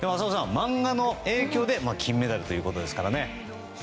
漫画の影響で金メダルということですからね。